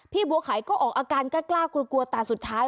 บัวไข่ก็ออกอาการกล้ากลัวกลัวแต่สุดท้าย